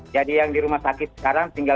jadi yang di rumah sakit sekarang tinggal